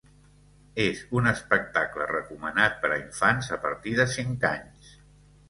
És un espectacle recomanat per a infants a partir de cinc anys.